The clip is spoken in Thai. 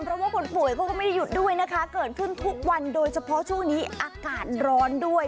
เพราะว่าคนป่วยเขาก็ไม่ได้หยุดด้วยนะคะเกิดขึ้นทุกวันโดยเฉพาะช่วงนี้อากาศร้อนด้วย